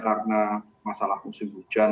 karena masalah musim hujan